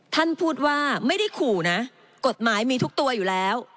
ท่านพูดว่าไม่ได้ขู่นะกฎหมายมีทุกตัวอยู่แล้ว